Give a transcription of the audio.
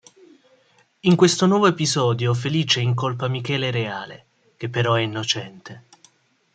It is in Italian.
In questo nuovo episodio Felice incolpa Michele Reale, che però è innocente.